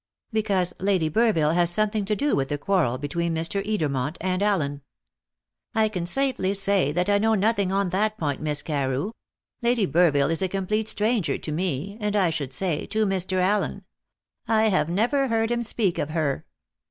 "Because Lady Burville has something to do with the quarrel between Mr. Edermont and Allen." "I can safely say that I know nothing on that point, Miss Carew. Lady Burville is a complete stranger to me, and, I should say, to Mr. Allen. I have never heard him speak of her."